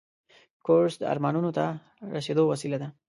کورس د ارمانونو ته رسیدو وسیله ده.